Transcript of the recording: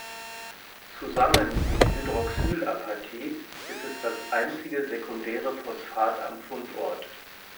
Zusammen mit Hydroxylapatit ist es das einzige sekundäre Phosphat am Fundort.